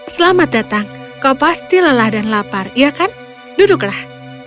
selamat datang kau pasti lelah dan lapar iya kan duduklah